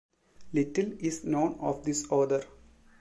Little is known of this author.